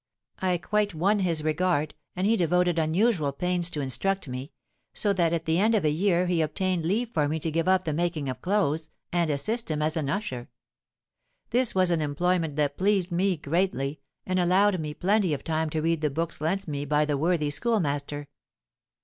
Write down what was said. I quite won his regard, and he devoted unusual pains to instruct me; so that at the end of a year he obtained leave for me to give up the making of clothes and assist him as an usher. This was an employment that pleased me greatly, and allowed me plenty of time to read the books lent me by the worthy schoolmaster.